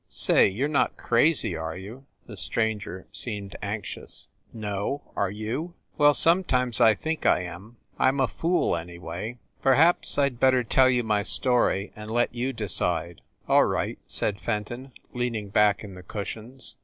"Say, you re not crazy, are you?" The stranger seemed anxious. THE ST. PAUL BUILDING 213 "No, are you? "Well, sometimes I think I am. I m a fool, any way. Perhaps I d better tell you my story and let you decide." "All right," said Fenton, leaning back in the cushions.